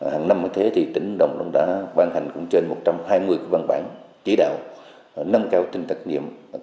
hàng năm như thế thì tỉnh lâm đồng đã ban hành cũng trên một trăm hai mươi văn bản chỉ đạo nâng cao tình trạng nhiệm